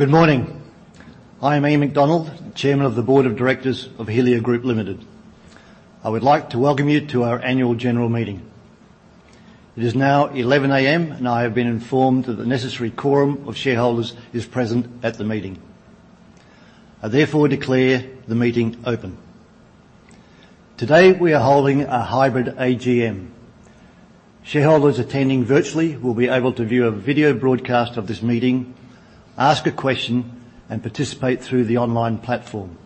Good morning. I am Ian MacDonald, Chairman of the Board of Directors of Helia Group Limited. I would like to welcome you to our annual general meeting. It is now 11:00 A.M., and I have been informed that the necessary quorum of shareholders is present at the meeting. I therefore declare the meeting open. Today, we are holding a hybrid AGM. Shareholders attending virtually will be able to view a video broadcast of this meeting, ask a question, and participate through the online platform.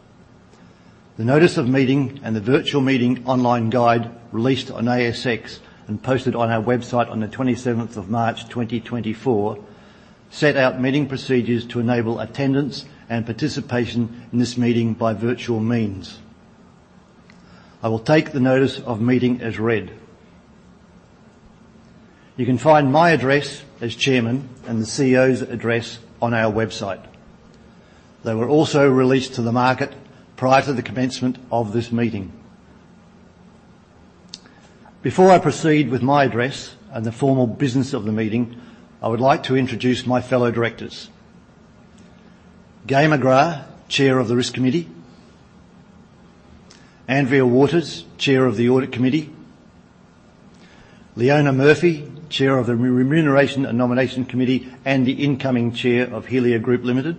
The notice of meeting and the virtual meeting online guide, released on ASX and posted on our website on the 27th of March, 2024, set out meeting procedures to enable attendance and participation in this meeting by virtual means. I will take the notice of meeting as read. You can find my address as chairman and the CEO's address on our website. They were also released to the market prior to the commencement of this meeting. Before I proceed with my address and the formal business of the meeting, I would like to introduce my fellow directors: Gaye McGrath, Chair of the Risk Committee, Andrea Waters, Chair of the Audit Committee, Leona Murphy, Chair of the Remuneration and Nomination Committee, and the incoming Chair of Helia Group Limited,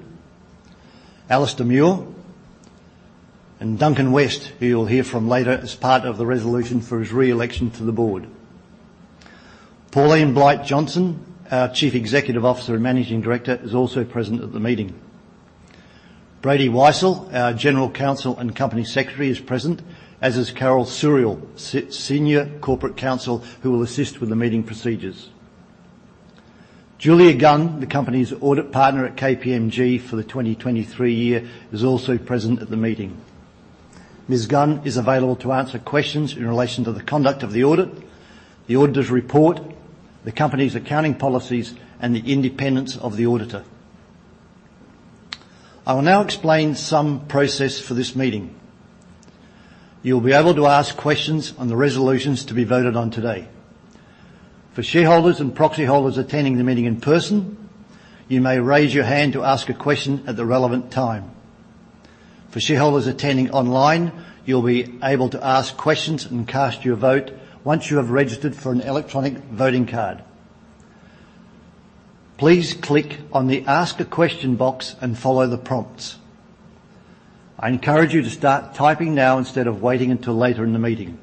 Alistair Muir, and Duncan West, who you'll hear from later as part of the resolution for his re-election to the board. Pauline Blight-Johnston, our Chief Executive Officer and Managing Director, is also present at the meeting. Brady Weissel, our General Counsel and Company Secretary, is present, as is Carol Suriel, Senior Corporate Counsel, who will assist with the meeting procedures. Julia Gunn, the company's Audit Partner at KPMG for the 2023 year, is also present at the meeting. Ms. Gunn is available to answer questions in relation to the conduct of the audit, the auditor's report, the company's accounting policies, and the independence of the auditor. I will now explain some process for this meeting. You'll be able to ask questions on the resolutions to be voted on today. For shareholders and proxy holders attending the meeting in person, you may raise your hand to ask a question at the relevant time. For shareholders attending online, you'll be able to ask questions and cast your vote once you have registered for an electronic voting card. Please click on the Ask a Question box and follow the prompts. I encourage you to start typing now instead of waiting until later in the meeting.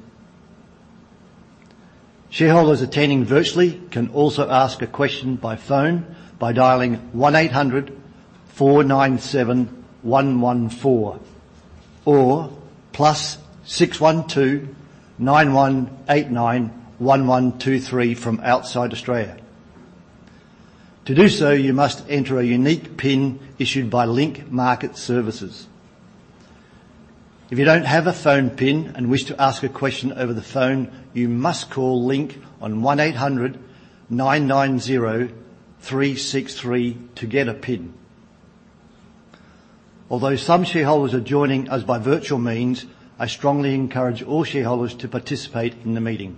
Shareholders attending virtually can also ask a question by by dialing 1800 497 114 or +61 2 9189 1123 from outside Australia. To do so, you must enter a unique pin issued by Link Market Services. If you don't have a phone pin and wish to ask a question over the phone, you must call Link on 1800 990 363 to get a pin. Although some shareholders are joining us by virtual means, I strongly encourage all shareholders to participate in the meeting.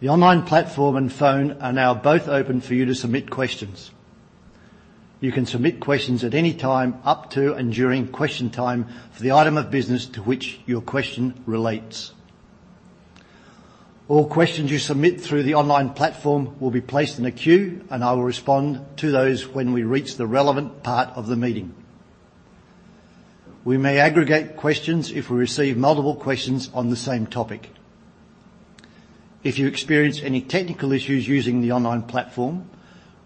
The online platform and phone are now both open for you to submit questions. You can submit questions at any time, up to and during question time for the item of business to which your question relates. All questions you submit through the online platform will be placed in a queue, and I will respond to those when we reach the relevant part of the meeting. We may aggregate questions if we receive multiple questions on the same topic. If you experience any technical issues using the online platform,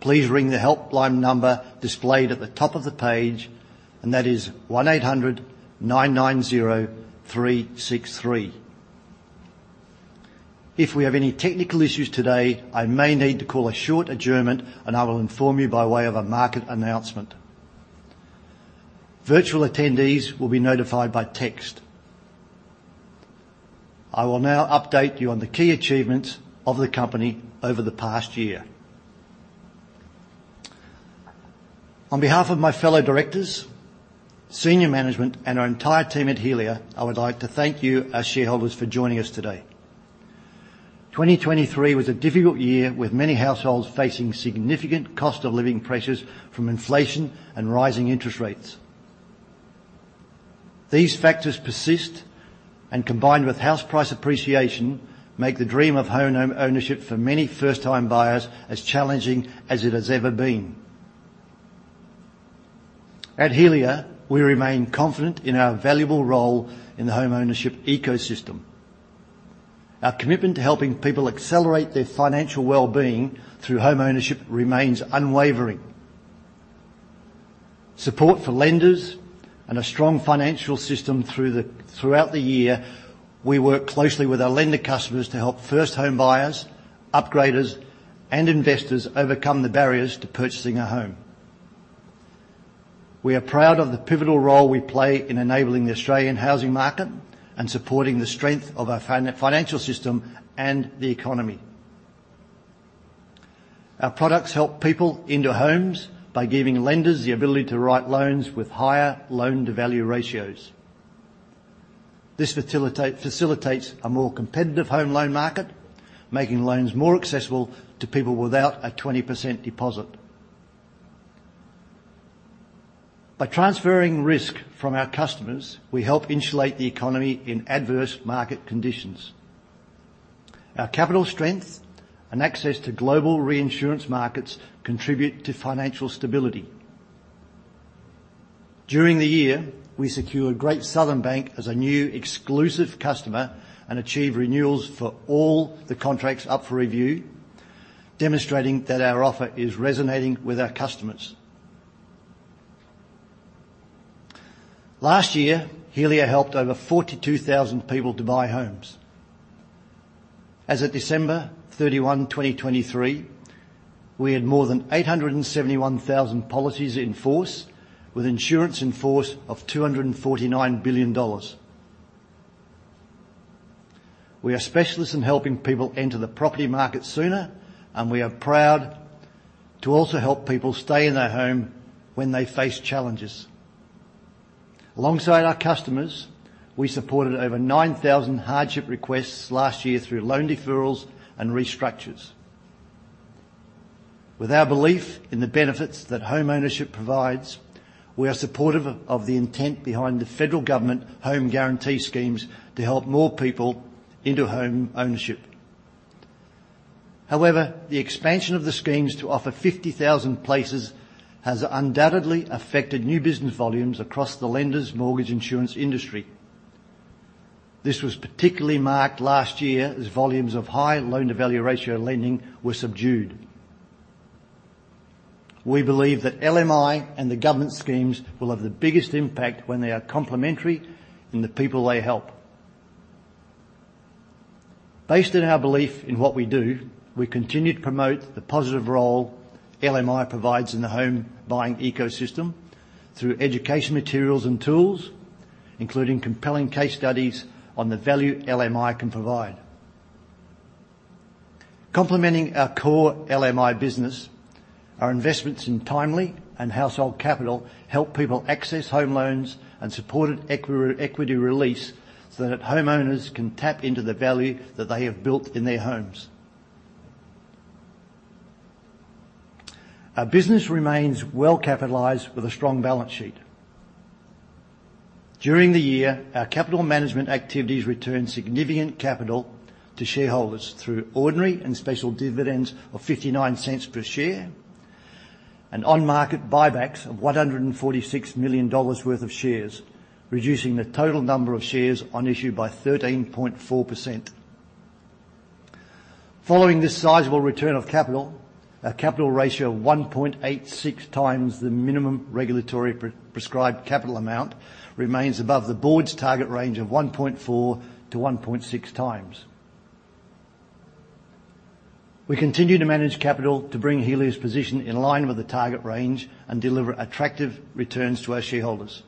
please ring the helpline number displayed at the top of the page, and that is 1-800-990-363. If we have any technical issues today, I may need to call a short adjournment, and I will inform you by way of a market announcement. Virtual attendees will be notified by text. I will now update you on the key achievements of the company over the past year. On behalf of my fellow directors, senior management, and our entire team at Helia, I would like to thank you, our shareholders, for joining us today. 2023 was a difficult year, with many households facing significant cost of living pressures from inflation and rising interest rates. These factors persist and, combined with house price appreciation, make the dream of home ownership for many first-time buyers as challenging as it has ever been. At Helia, we remain confident in our valuable role in the homeownership ecosystem. Our commitment to helping people accelerate their financial well-being through homeownership remains unwavering. Support for lenders and a strong financial system through the... Throughout the year, we worked closely with our lender customers to help first-home buyers, upgraders, and investors overcome the barriers to purchasing a home. We are proud of the pivotal role we play in enabling the Australian housing market and supporting the strength of our financial system and the economy. Our products help people into homes by giving lenders the ability to write loans with higher loan-to-value ratios. This facilitates a more competitive home loan market, making loans more accessible to people without a 20% deposit. By transferring risk from our customers, we help insulate the economy in adverse market conditions. Our capital strength and access to global reinsurance markets contribute to financial stability. During the year, we secured Great Southern Bank as a new exclusive customer and achieved renewals for all the contracts up for review, demonstrating that our offer is resonating with our customers. Last year, Helia helped over 42,000 people to buy homes. As at December 31, 2023, we had more than 871,000 policies in force, with insurance in force of $249 billion. We are specialists in helping people enter the property market sooner, and we are proud to also help people stay in their home when they face challenges. Alongside our customers, we supported over 9,000 hardship requests last year through loan deferrals and restructures. With our belief in the benefits that homeownership provides, we are supportive of the intent behind the Federal Government Home Guarantee schemes to help more people into home ownership. However, the expansion of the schemes to offer 50,000 places has undoubtedly affected new business volumes across the lenders' mortgage insurance industry. This was particularly marked last year as volumes of high loan-to-value ratio lending were subdued. We believe that LMI and the government schemes will have the biggest impact when they are complementary in the people they help. Based on our belief in what we do, we continue to promote the positive role LMI provides in the home buying ecosystem through education materials and tools, including compelling case studies on the value LMI can provide. Complementing our core LMI business, our investments in timely and household capital help people access home loans and supported equity release so that homeowners can tap into the value that they have built in their homes. Our business remains well-capitalized with a strong balance sheet. During the year, our capital management activities returned significant capital to shareholders through ordinary and special dividends of 0.59 per share and on-market buybacks of 146 million dollars worth of shares, reducing the total number of shares on issue by 13.4%. Following this sizable return of capital, our capital ratio of 1.86 times the minimum regulatory prescribed capital amount remains above the board's target range of 1.4-1.6 times. We continue to manage capital to bring Helia's position in line with the target range and deliver attractive returns to our shareholders.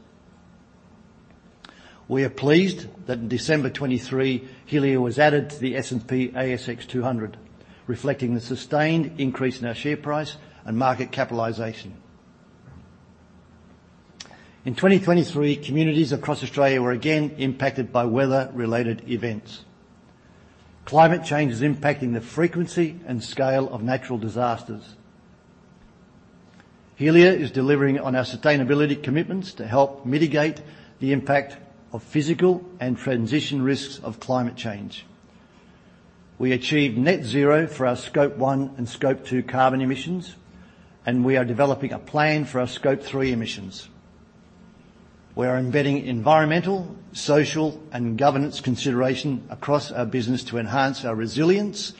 We are pleased that in December 2023, Helia was added to the S&P/ASX 200, reflecting the sustained increase in our share price and market capitalization. In 2023, communities across Australia were again impacted by weather-related events. Climate change is impacting the frequency and scale of natural disasters. Helia is delivering on our sustainability commitments to help mitigate the impact of physical and transition risks of climate change. We achieved net zero for our Scope one and Scope two carbon emissions, and we are developing a plan for our Scope three emissions. We are embedding environmental, social, and governance consideration across our business to enhance our resilience,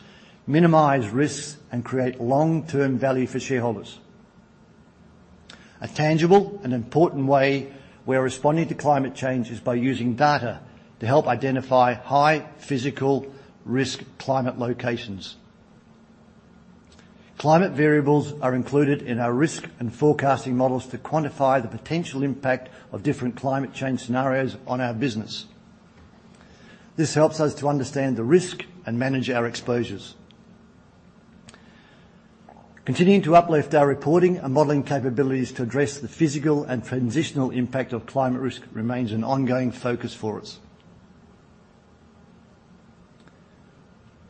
minimize risks, and create long-term value for shareholders. A tangible and important way we are responding to climate change is by using data to help identify high physical risk climate locations. Climate variables are included in our risk and forecasting models to quantify the potential impact of different climate change scenarios on our business. This helps us to understand the risk and manage our exposures. Continuing to uplift our reporting and modeling capabilities to address the physical and transitional impact of climate risk remains an ongoing focus for us.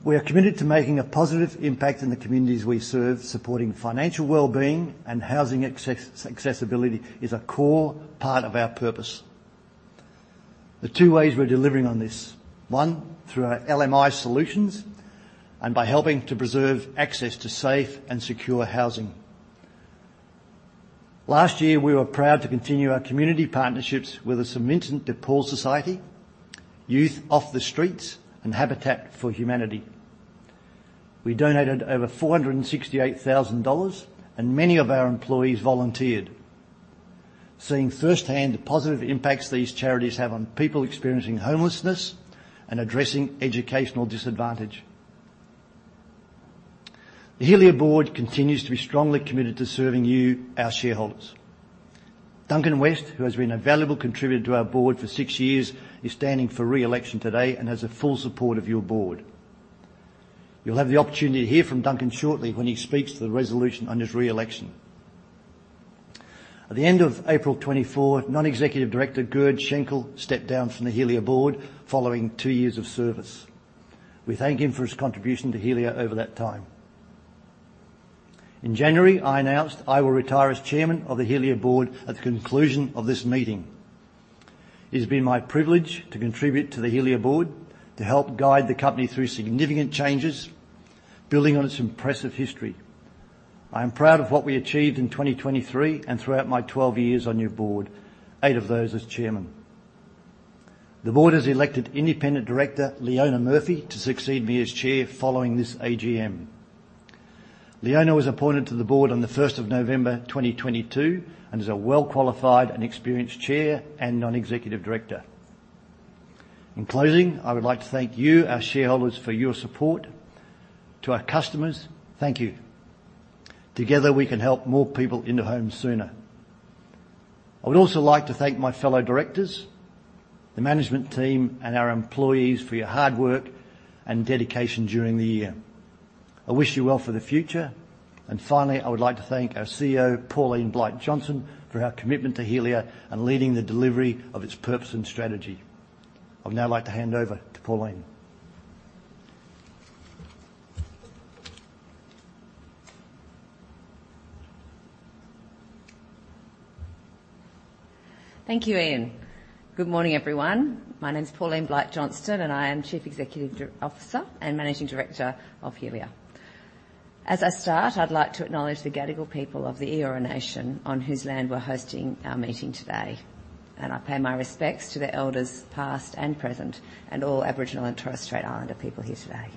We are committed to making a positive impact in the communities we serve. Supporting financial well-being and housing accessibility is a core part of our purpose. There are two ways we're delivering on this: one, through our LMI solutions and by helping to preserve access to safe and secure housing. Last year, we were proud to continue our community partnerships with the St Vincent de Paul Society, Youth Off the Streets, and Habitat for Humanity. We donated over 468,000 dollars, and many of our employees volunteered, seeing firsthand the positive impacts these charities have on people experiencing homelessness and addressing educational disadvantage. The Helia board continues to be strongly committed to serving you, our shareholders. Duncan West, who has been a valuable contributor to our board for six years, is standing for re-election today and has the full support of your board. You'll have the opportunity to hear from Duncan shortly when he speaks to the resolution on his re-election. At the end of April 2024, Non-executive Director Gerd Schenkel stepped down from the Helia board following two years of service. We thank him for his contribution to Helia over that time. In January, I announced I will retire as Chairman of the Helia board at the conclusion of this meeting. It has been my privilege to contribute to the Helia board to help guide the company through significant changes, building on its impressive history. I am proud of what we achieved in 2023 and throughout my 12 years on your board, eight of those as chairman. The board has elected Independent Director Leona Murphy to succeed me as Chair following this AGM. Leona was appointed to the board on the 1st of November 2022, and is a well-qualified and experienced chair and non-executive director. In closing, I would like to thank you, our shareholders, for your support. To our customers, thank you. Together, we can help more people into homes sooner. I would also like to thank my fellow directors, the management team, and our employees for your hard work and dedication during the year. I wish you well for the future, and finally, I would like to thank our CEO, Pauline Blight-Johnston, for her commitment to Helia and leading the delivery of its purpose and strategy. I'd now like to hand over to Pauline. Thank you, Ian. Good morning, everyone. My name is Pauline Blight-Johnston, and I am Chief Executive Officer and Managing Director of Helia. As I start, I'd like to acknowledge the Gadigal people of the Eora Nation, on whose land we're hosting our meeting today, and I pay my respects to the elders, past and present, and all Aboriginal and Torres Strait Islander people here today.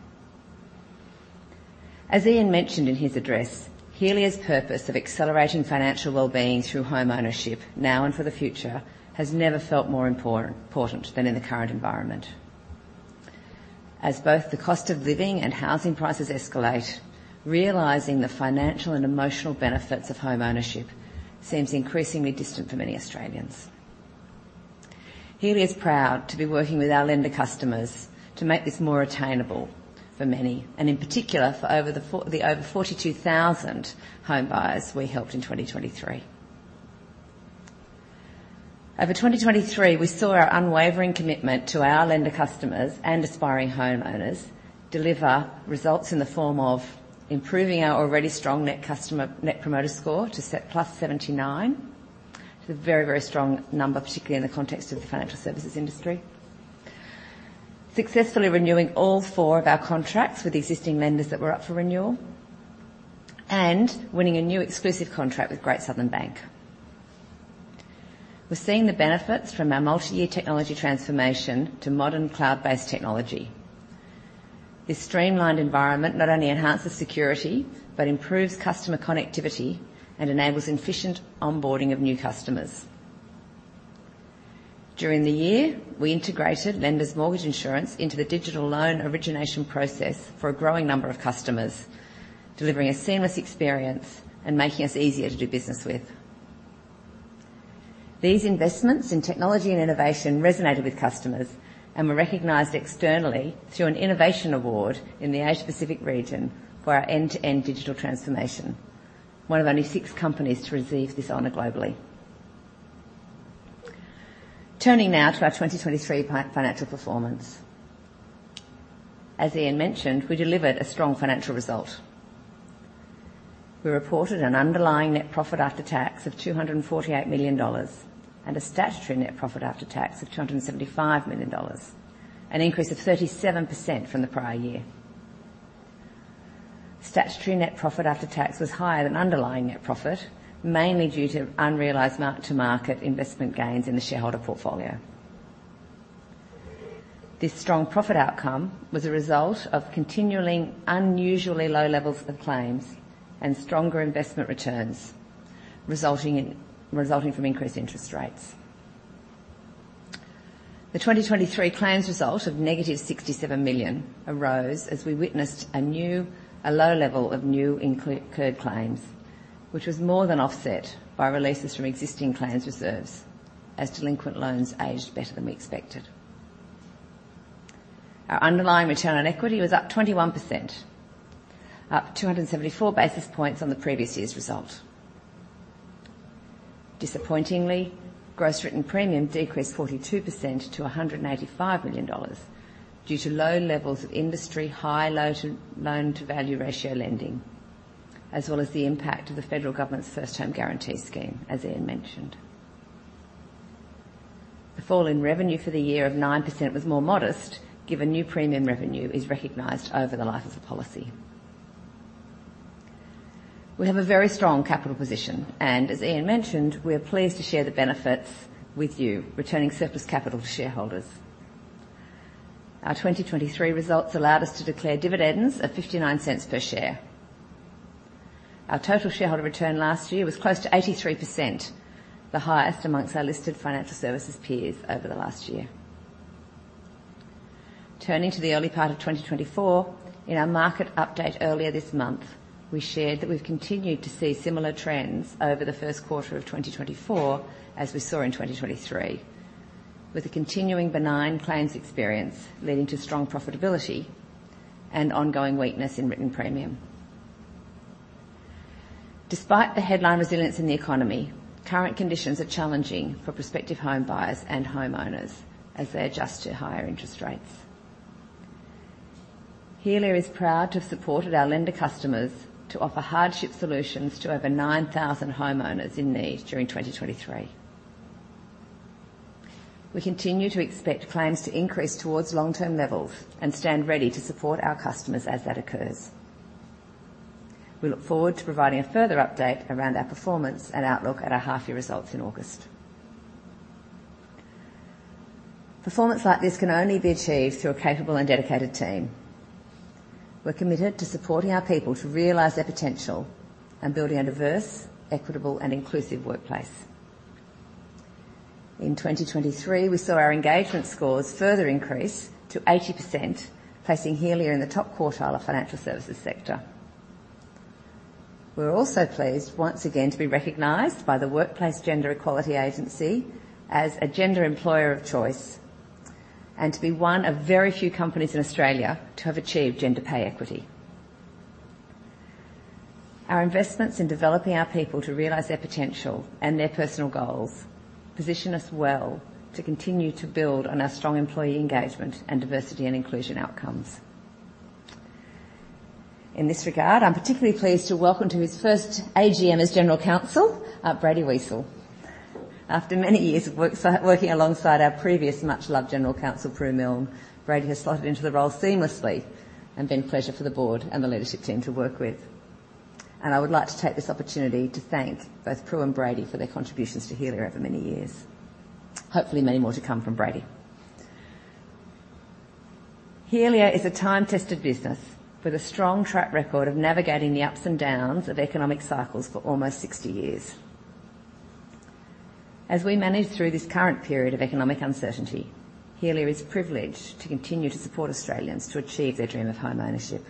As Ian mentioned in his address, Helia's purpose of accelerating financial well-being through homeownership now and for the future has never felt more important than in the current environment. As both the cost of living and housing prices escalate, realizing the financial and emotional benefits of homeownership seems increasingly distant for many Australians. Helia is proud to be working with our lender customers to make this more attainable for many, and in particular, for over 42,000 homebuyers we helped in 2023. Over 2023, we saw our unwavering commitment to our lender customers and aspiring homeowners deliver results in the form of improving our already strong net customer Net Promoter Score to +79. It's a very, very strong number, particularly in the context of the financial services industry. Successfully renewing all four of our contracts with the existing lenders that were up for renewal and winning a new exclusive contract with Great Southern Bank. We're seeing the benefits from our multi-year technology transformation to modern cloud-based technology. This streamlined environment not only enhances security but improves customer connectivity and enables efficient onboarding of new customers. During the year, we integrated lenders mortgage insurance into the digital loan origination process for a growing number of customers, delivering a seamless experience and making us easier to do business with. These investments in technology and innovation resonated with customers and were recognized externally through an innovation award in the Asia Pacific region for our end-to-end digital transformation, one of only six companies to receive this honor globally. Turning now to our 2023 financial performance. As Ian mentioned, we delivered a strong financial result. We reported an underlying net profit after tax of 248 million dollars and a statutory net profit after tax of 275 million dollars, an increase of 37% from the prior year. Statutory net profit after tax was higher than underlying net profit, mainly due to unrealized mark-to-market investment gains in the shareholder portfolio. This strong profit outcome was a result of continually unusually low levels of claims and stronger investment returns, resulting from increased interest rates. The 2023 claims result of negative 67 million arose as we witnessed a low level of new incurred claims, which was more than offset by releases from existing claims reserves as delinquent loans aged better than we expected. Our underlying return on equity was up 21%, up 274 basis points on the previous year's result. Disappointingly, gross written premium decreased 42% to 185 million dollars due to low levels of industry-high loan-to-value ratio lending, as well as the impact of the federal government's First Home Guarantee Schemes, as Ian mentioned. The fall in revenue for the year of 9% was more modest, given new premium revenue is recognized over the life of the policy. We have a very strong capital position, and as Ian mentioned, we are pleased to share the benefits with you, returning surplus capital to shareholders. Our 2023 results allowed us to declare dividends of 0.59 per share. Our total shareholder return last year was close to 83%, the highest amongst our listed financial services peers over the last year. Turning to the early part of 2024, in our market update earlier this month, we shared that we've continued to see similar trends over the first quarter of 2024, as we saw in 2023, with a continuing benign claims experience leading to strong profitability, and ongoing weakness in written premium. Despite the headline resilience in the economy, current conditions are challenging for prospective home buyers and homeowners as they adjust to higher interest rates. Helia is proud to have supported our lender customers to offer hardship solutions to over 9,000 homeowners in need during 2023. We continue to expect claims to increase towards long-term levels and stand ready to support our customers as that occurs. We look forward to providing a further update around our performance and outlook at our half-year results in August. Performance like this can only be achieved through a capable and dedicated team. We're committed to supporting our people to realize their potential and building a diverse, equitable, and inclusive workplace. In 2023, we saw our engagement scores further increase to 80%, placing Helia in the top quartile of financial services sector. We're also pleased once again to be recognized by the Workplace Gender Equality Agency as a gender employer of choice, and to be one of very few companies in Australia to have achieved gender pay equity. Our investments in developing our people to realize their potential and their personal goals position us well to continue to build on our strong employee engagement and diversity and inclusion outcomes. In this regard, I'm particularly pleased to welcome to his first AGM as General Counsel, Brady Weissel. After many years of working alongside our previous much-loved General Counsel, Prue Milne, Brady has slotted into the role seamlessly and been a pleasure for the board and the leadership team to work with. I would like to take this opportunity to thank both Prue and Brady for their contributions to Helia over many years. Hopefully, many more to come from Brady. Helia is a time-tested business with a strong track record of navigating the ups and downs of economic cycles for almost 60 years. As we manage through this current period of economic uncertainty, Helia is privileged to continue to support Australians to achieve their dream of homeownership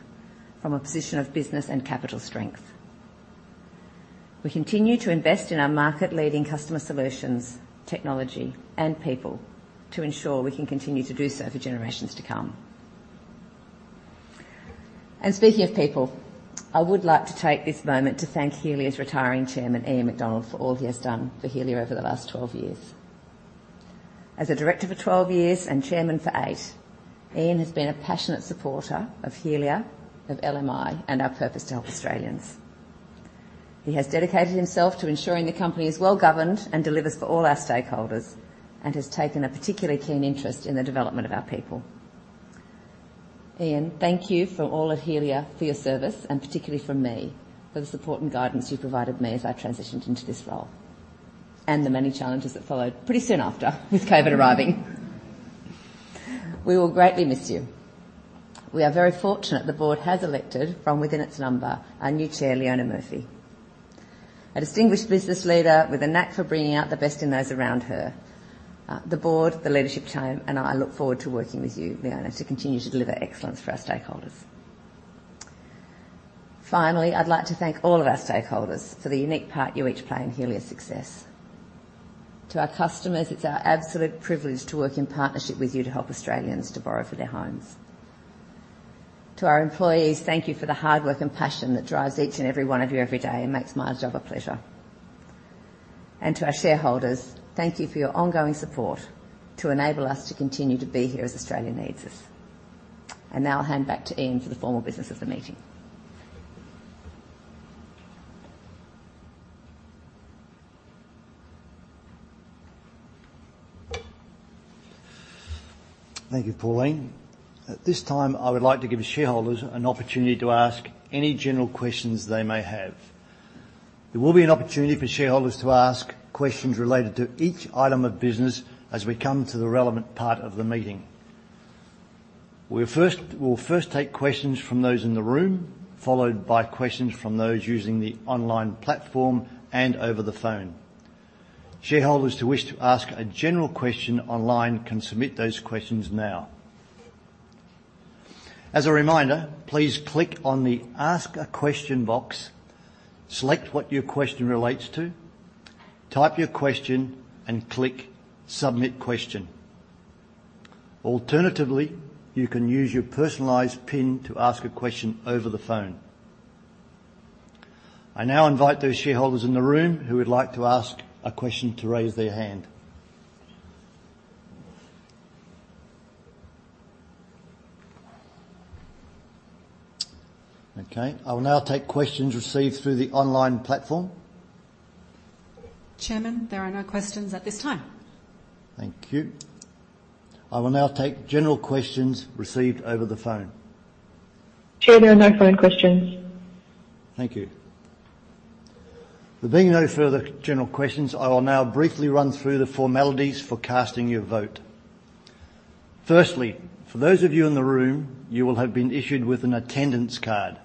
from a position of business and capital strength. We continue to invest in our market-leading customer solutions, technology, and people to ensure we can continue to do so for generations to come. And speaking of people, I would like to take this moment to thank Helia's retiring Chairman, Ian MacDonald, for all he has done for Helia over the last 12 years. As a director for 12 years and chairman for 8, Ian has been a passionate supporter of Helia, of LMI, and our purpose to help Australians. He has dedicated himself to ensuring the company is well-governed and delivers for all our stakeholders, and has taken a particularly keen interest in the development of our people. Ian, thank you from all at Helia for your service, and particularly from me, for the support and guidance you provided me as I transitioned into this role, and the many challenges that followed pretty soon after with COVID arriving. We will greatly miss you. We are very fortunate the board has elected from within its number, our new chair, Leona Murphy, a distinguished business leader with a knack for bringing out the best in those around her. The board, the leadership team, and I look forward to working with you, Leona, to continue to deliver excellence for our stakeholders. Finally, I'd like to thank all of our stakeholders for the unique part you each play in Helia's success. To our customers, it's our absolute privilege to work in partnership with you to help Australians to borrow for their homes. To our employees, thank you for the hard work and passion that drives each and every one of you every day, and makes my job a pleasure. To our shareholders, thank you for your ongoing support to enable us to continue to be here as Australia needs us. Now I'll hand back to Ian for the formal business of the meeting. Thank you, Pauline. At this time, I would like to give shareholders an opportunity to ask any general questions they may have. There will be an opportunity for shareholders to ask questions related to each item of business as we come to the relevant part of the meeting. We'll first take questions from those in the room, followed by questions from those using the online platform and over the phone. Shareholders who wish to ask a general question online can submit those questions now. As a reminder, please click on the Ask a Question box, select what your question relates to, type your question, and click Submit Question. Alternatively, you can use your personalized pin to ask a question over the phone. I now invite those shareholders in the room who would like to ask a question to raise their hand. Okay, I will now take questions received through the online platform. Chairman, there are no questions at this time. Thank you. I will now take general questions received over the phone. Chair, there are no phone questions. Thank you. There being no further general questions, I will now briefly run through the formalities for casting your vote. Firstly, for those of you in the room, you will have been issued with an attendance card.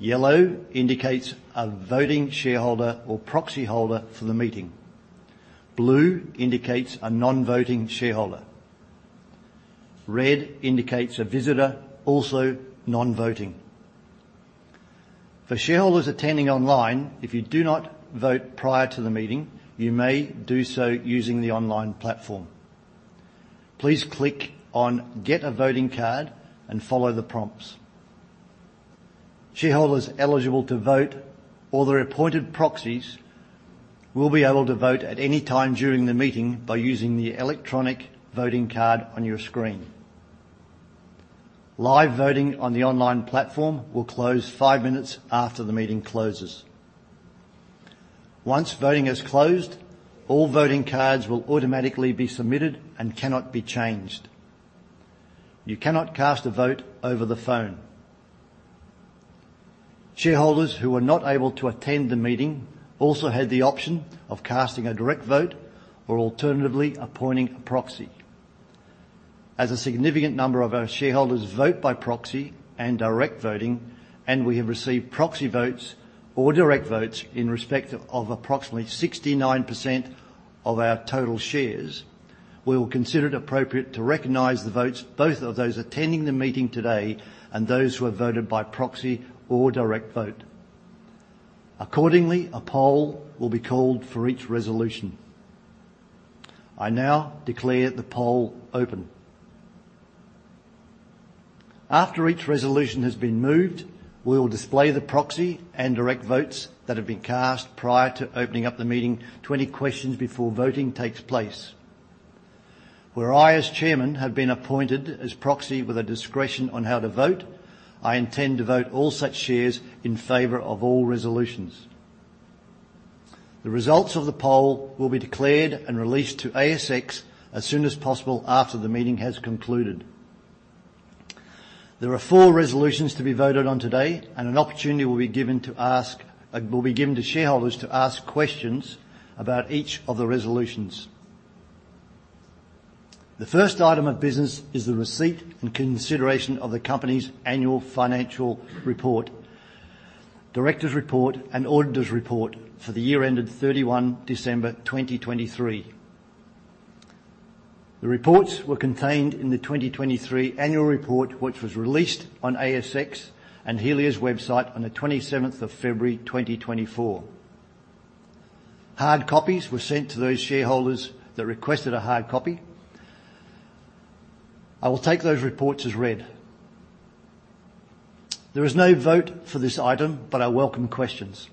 Yellow indicates a voting shareholder or proxy holder for the meeting. Blue indicates a non-voting shareholder. Red indicates a visitor, also non-voting. For shareholders attending online, if you do not vote prior to the meeting, you may do so using the online platform. Please click on "Get a Voting Card" and follow the prompts. Shareholders eligible to vote or their appointed proxies will be able to vote at any time during the meeting by using the electronic voting card on your screen. Live voting on the online platform will close 5 minutes after the meeting closes. Once voting has closed, all voting cards will automatically be submitted and cannot be changed. You cannot cast a vote over the phone. Shareholders who were not able to attend the meeting also had the option of casting a direct vote or alternatively appointing a proxy. As a significant number of our shareholders vote by proxy and direct voting, and we have received proxy votes or direct votes in respect of approximately 69% of our total shares, we will consider it appropriate to recognize the votes, both of those attending the meeting today and those who have voted by proxy or direct vote. Accordingly, a poll will be called for each resolution. I now declare the poll open. After each resolution has been moved, we will display the proxy and direct votes that have been cast prior to opening up the meeting to any questions before voting takes place. Where I, as chairman, have been appointed as proxy with a discretion on how to vote, I intend to vote all such shares in favor of all resolutions. The results of the poll will be declared and released to ASX as soon as possible after the meeting has concluded. There are 4 resolutions to be voted on today, and an opportunity will be given to shareholders to ask questions about each of the resolutions. The first item of business is the receipt and consideration of the company's annual financial report, directors' report, and auditors' report for the year ended 31 December 2023. The reports were contained in the 2023 annual report, which was released on ASX and Helia's website on the 27th of February 2024. Hard copies were sent to those shareholders that requested a hard copy. I will take those reports as read. There is no vote for this item, but I welcome questions.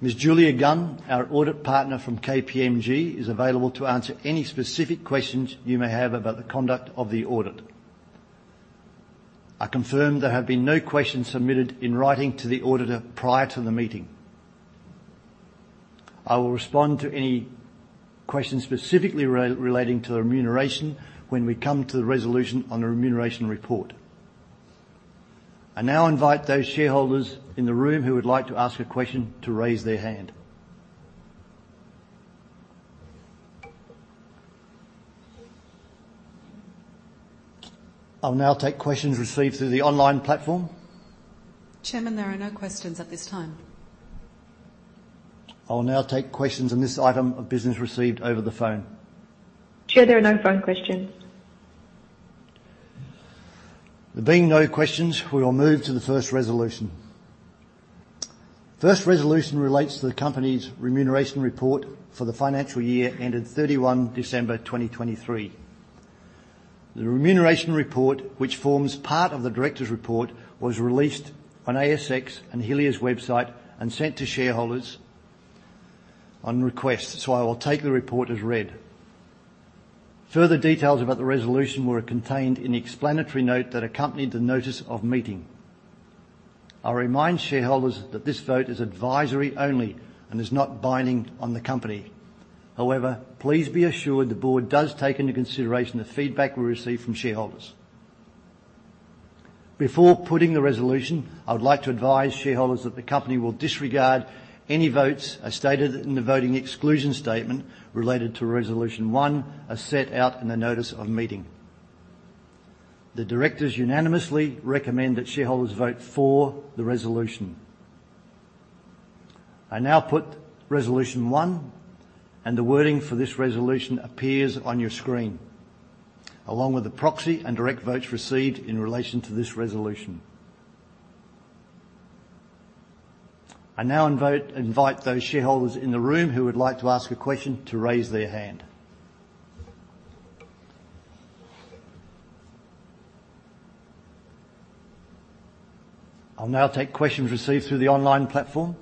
Ms. Julia Gunn, our audit partner from KPMG, is available to answer any specific questions you may have about the conduct of the audit. I confirm there have been no questions submitted in writing to the auditor prior to the meeting. I will respond to any questions specifically relating to the remuneration when we come to the resolution on the remuneration report. I now invite those shareholders in the room who would like to ask a question to raise their hand. I'll now take questions received through the online platform. Chairman, there are no questions at this time. I will now take questions on this item of business received over the phone. Chair, there are no phone questions. There being no questions, we will move to the first resolution. First resolution relates to the company's remuneration report for the financial year ended 31 December 2023. The remuneration report, which forms part of the directors' report, was released on ASX and Helia's website and sent to shareholders on request, so I will take the report as read. Further details about the resolution were contained in the explanatory note that accompanied the notice of meeting. I'll remind shareholders that this vote is advisory only and is not binding on the company. However, please be assured the board does take into consideration the feedback we receive from shareholders. Before putting the resolution, I would like to advise shareholders that the company will disregard any votes, as stated in the voting exclusion statement, related to Resolution One, as set out in the notice of meeting. The directors unanimously recommend that shareholders vote for the resolution. I now put Resolution One, and the wording for this resolution appears on your screen, along with the proxy and direct votes received in relation to this resolution. I now invite those shareholders in the room who would like to ask a question to raise their hand. I'll now take questions received through the online platform.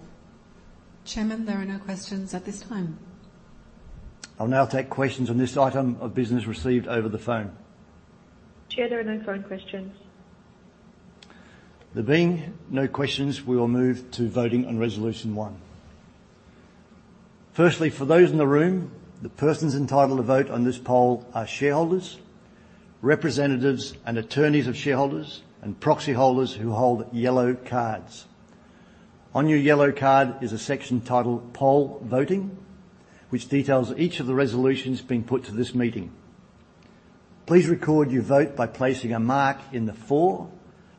Chairman, there are no questions at this time. I'll now take questions on this item of business received over the phone. Chair, there are no phone questions. There being no questions, we will move to voting on Resolution One. Firstly, for those in the room, the persons entitled to vote on this poll are shareholders, representatives and attorneys of shareholders, and proxy holders who hold yellow cards. On your yellow card is a section titled "Poll Voting," which details each of the resolutions being put to this meeting. Please record your vote by placing a mark in the "For,"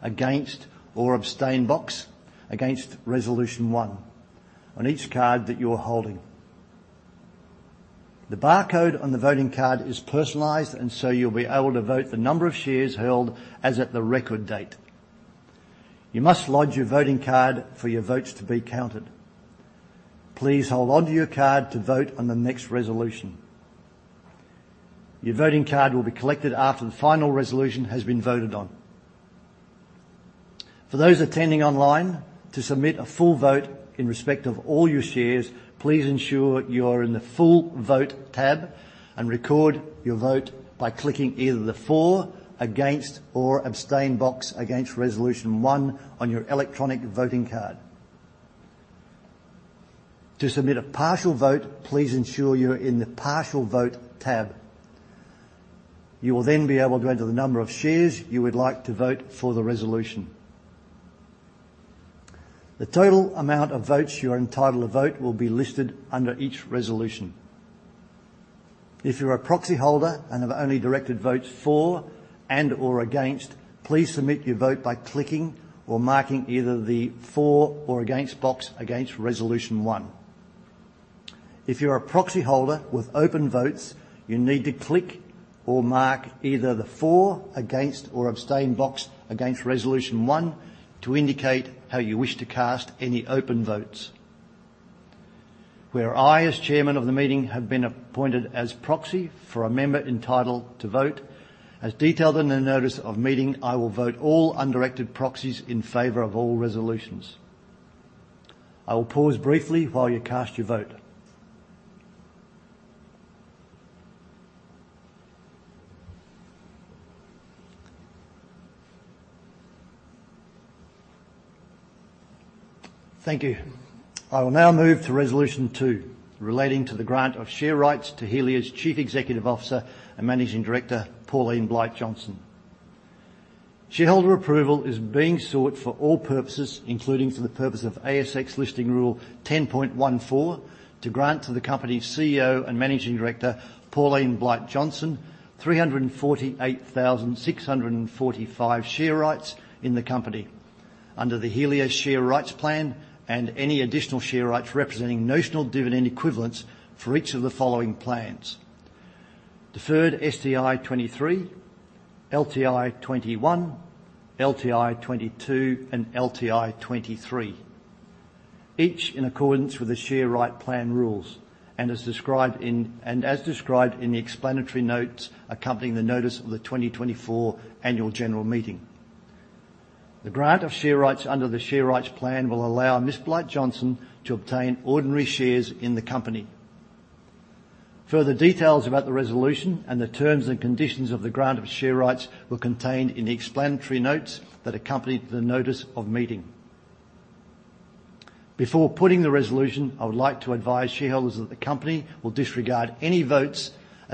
"Against," or "Abstain" box against Resolution One on each card that you are holding. The barcode on the voting card is personalized, and so you'll be able to vote the number of shares held as at the record date. You must lodge your voting card for your votes to be counted. Please hold onto your card to vote on the next resolution. Your voting card will be collected after the final resolution has been voted on. For those attending online, to submit a full vote in respect of all your shares, please ensure you are in the Full Vote tab, and record your vote by clicking either the For, Against, or Abstain box against Resolution One on your electronic voting card. To submit a partial vote, please ensure you're in the Partial Vote tab. You will then be able to enter the number of shares you would like to vote for the resolution. The total amount of votes you are entitled to vote will be listed under each resolution. If you're a proxy holder and have only directed votes for and/or against, please submit your vote by clicking or marking either the For or Against box against Resolution One. If you're a proxy holder with open votes, you need to click or mark either the For, Against, or Abstain box against Resolution One to indicate how you wish to cast any open votes. Where I, as chairman of the meeting, have been appointed as proxy for a member entitled to vote, as detailed in the notice of meeting, I will vote all undirected proxies in favor of all resolutions. I will pause briefly while you cast your vote. Thank you. I will now move to Resolution Two, relating to the grant of share rights to Helia's Chief Executive Officer and Managing Director, Pauline Blight-Johnston. Shareholder approval is being sought for all purposes, including for the purpose of ASX Listing Rule 10.14, to grant to the company's CEO and Managing Director, Pauline Blight-Johnston, 348,645 share rights in the company under the Helia Share Rights Plan and any additional share rights representing notional dividend equivalents for each of the following plans: Deferred STI 23, LTI 21, LTI 22, and LTI 23, each in accordance with the Share Right Plan Rules and as described in, and as described in the explanatory notes accompanying the notice of the 2024 Annual General Meeting. The grant of share rights under the Share Rights Plan will allow Ms. Blight-Johnston to obtain ordinary shares in the company. Further details about the resolution and the terms and conditions of the grant of share rights were contained in the explanatory notes that accompanied the notice of meeting. Before putting the resolution, I would like to advise shareholders that the company will disregard any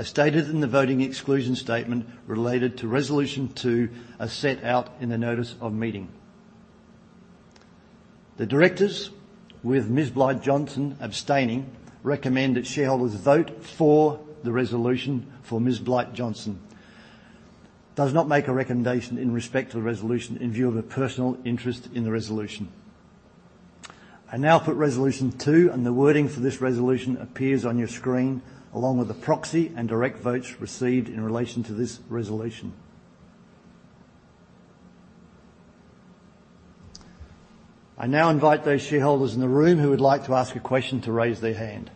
votes, as stated in the voting exclusion statement, related to Resolution Two, as set out in the notice of meeting. The directors, with Ms. Pauline Blight-Johnston abstaining, recommend that shareholders vote for the resolution, for Ms. Pauline Blight-Johnston does not make a recommendation in respect to the resolution in view of a personal interest in the resolution. I now put Resolution Two, and the wording for this resolution appears on your screen, along with the proxy and direct votes received in relation to this resolution. I now invite those shareholders in the room who would like to ask a question to raise their hand.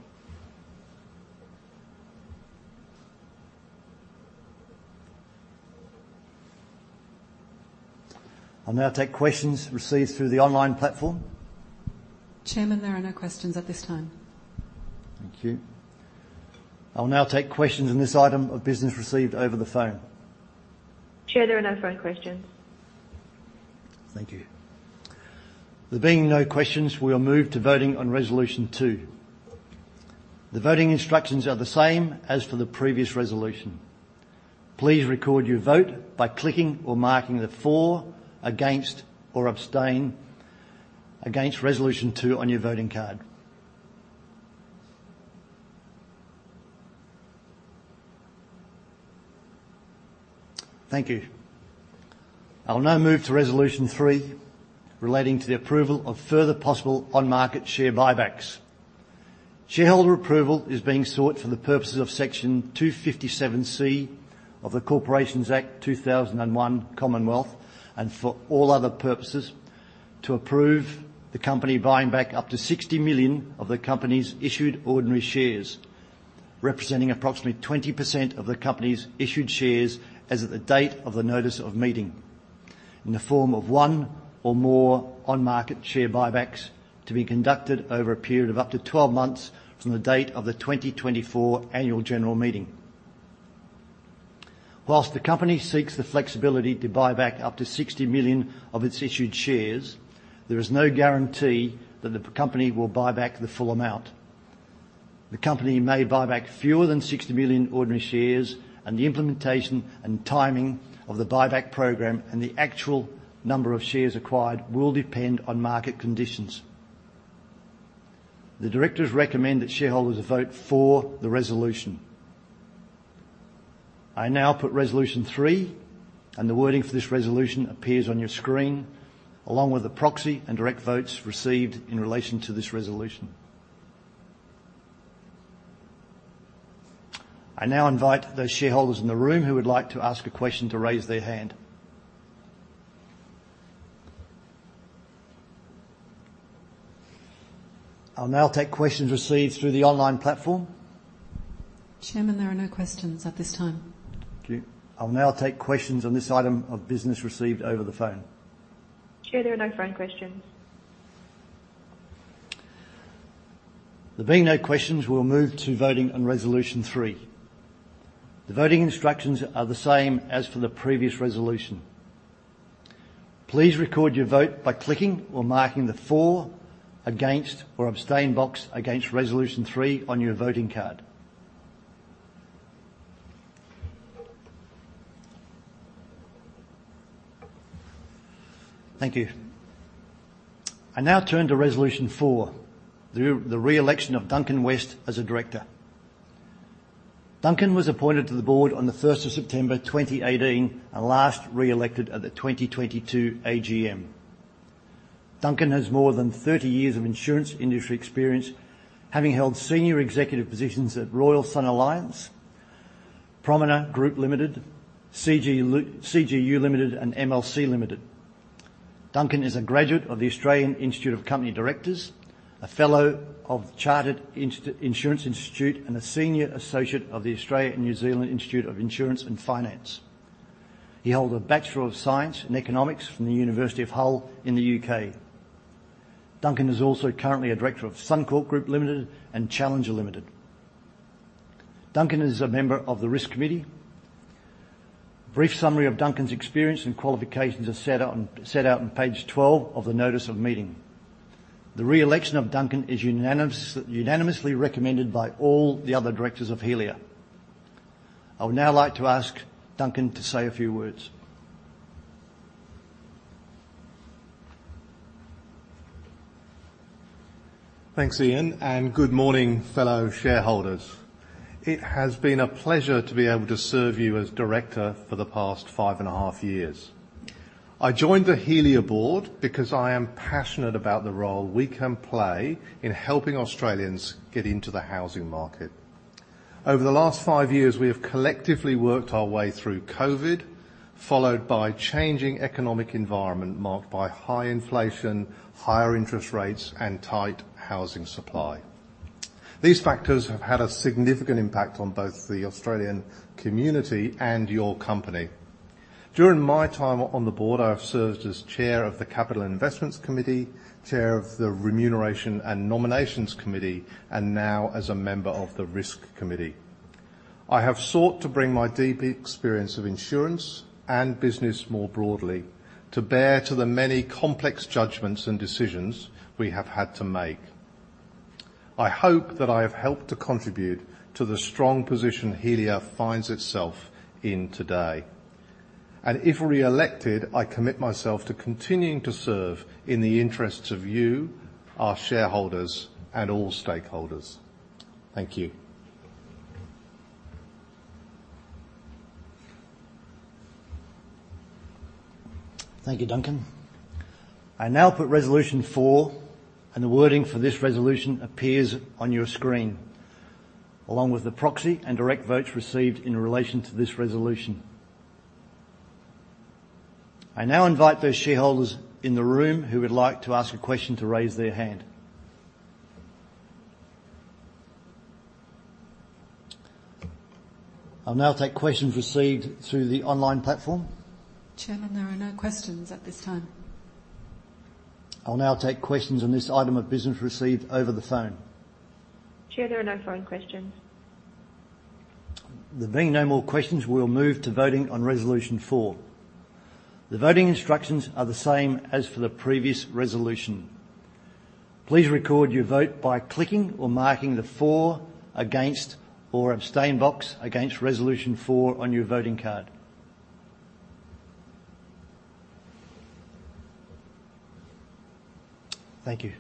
I'll now take questions received through the online platform. Chairman, there are no questions at this time. Thank you. I will now take questions on this item of business received over the phone. Chair, there are no phone questions. Thank you. There being no questions, we will move to voting on Resolution Two. The voting instructions are the same as for the previous resolution. Please record your vote by clicking or marking the For, Against, or Abstain against Resolution Two on your voting card. Thank you. I will now move to Resolution Three, relating to the approval of further possible on-market share buybacks. Shareholder approval is being sought for the purposes of Section 257C of the Corporations Act 2001, Commonwealth, and for all other purposes, to approve the company buying back up to 60 million of the company's issued ordinary shares, representing approximately 20% of the company's issued shares as of the date of the notice of meeting, in the form of one or more on-market share buybacks, to be conducted over a period of up to 12 months from the date of the 2024 Annual General Meeting. While the company seeks the flexibility to buy back up to 60 million of its issued shares, there is no guarantee that the company will buy back the full amount. The company may buy back fewer than 60 million ordinary shares, and the implementation and timing of the buyback program and the actual number of shares acquired will depend on market conditions. The directors recommend that shareholders vote for the resolution. I now put Resolution three, and the wording for this resolution appears on your screen, along with the proxy and direct votes received in relation to this resolution. I now invite those shareholders in the room who would like to ask a question to raise their hand. I'll now take questions received through the online platform. Chairman, there are no questions at this time. Thank you. I'll now take questions on this item of business received over the phone. Chair, there are no phone questions. There being no questions, we'll move to voting on Resolution Three. The voting instructions are the same as for the previous resolution. Please record your vote by clicking or marking the For, Against, or Abstain box against Resolution Three on your voting card. Thank you. I now turn to Resolution Four, the re-election of Duncan West as a director. Duncan was appointed to the board on the first of September, 2018, and last re-elected at the 2022 AGM. Duncan has more than 30 years of insurance industry experience, having held senior executive positions at Royal & SunAlliance, Promina Group Limited, CGU Limited, and MLC Limited. Duncan is a graduate of the Australian Institute of Company Directors, a fellow of Chartered Insurance Institute, and a Senior Associate of the Australia and New Zealand Institute of Insurance and Finance. He held a Bachelor of Science in Economics from the University of Hull in the U.K. Duncan is also currently a director of Suncorp Group Limited and Challenger Limited. Duncan is a member of the Risk Committee. Brief summary of Duncan's experience and qualifications are set out on page 12 of the notice of meeting. The re-election of Duncan is unanimously recommended by all the other directors of Helia. I would now like to ask Duncan to say a few words. Thanks, Ian, and good morning, fellow shareholders. It has been a pleasure to be able to serve you as director for the past five and a half years. I joined the Helia board because I am passionate about the role we can play in helping Australians get into the housing market. Over the last five years, we have collectively worked our way through COVID, followed by changing economic environment marked by high inflation, higher interest rates, and tight housing supply. These factors have had a significant impact on both the Australian community and your company. During my time on the board, I have served as Chair of the Capital Investments Committee, Chair of the Remuneration and Nominations Committee, and now as a member of the Risk Committee. I have sought to bring my deep experience of insurance and business more broadly to bear to the many complex judgments and decisions we have had to make. I hope that I have helped to contribute to the strong position Helia finds itself in today, and if re-elected, I commit myself to continuing to serve in the interests of you, our shareholders, and all stakeholders. Thank you. Thank you, Duncan. I now put Resolution Four, and the wording for this resolution appears on your screen, along with the proxy and direct votes received in relation to this resolution. I now invite those shareholders in the room who would like to ask a question to raise their hand. I'll now take questions received through the online platform. Chairman, there are no questions at this time. I'll now take questions on this item of business received over the phone. Chair, there are no phone questions. There being no more questions, we will move to voting on Resolution Four. The voting instructions are the same as for the previous resolution. Please record your vote by clicking or marking the For, Against, or Abstain box against Resolution Four on your voting card. Thank you.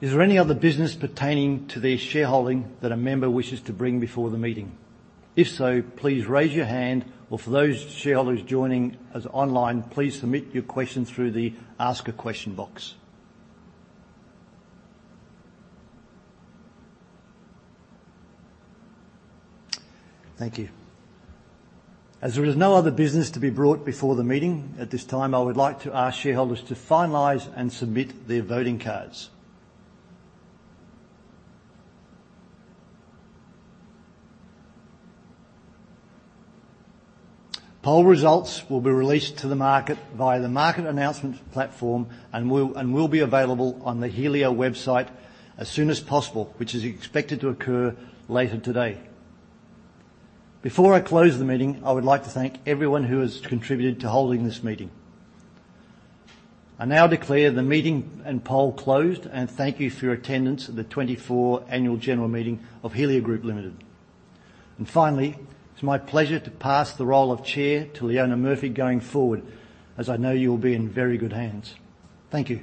Is there any other business pertaining to the shareholding that a member wishes to bring before the meeting? If so, please raise your hand, or for those shareholders joining us online, please submit your question through the Ask a Question box. Thank you. As there is no other business to be brought before the meeting at this time, I would like to ask shareholders to finalize and submit their voting cards. Poll results will be released to the market via the market announcement platform and will be available on the Helia website as soon as possible, which is expected to occur later today. Before I close the meeting, I would like to thank everyone who has contributed to holding this meeting. I now declare the meeting and poll closed, and thank you for your attendance at the 24 Annual General Meeting of Helia Group Limited. Finally, it's my pleasure to pass the role of chair to Leona Murphy going forward, as I know you'll be in very good hands. Thank you.